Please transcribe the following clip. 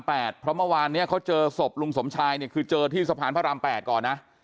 เพราะเมื่อวานนี้เขาเจอศพลุงสมชายเนี่ยคือเจอที่สะพานพระราม๘ก่อนนะ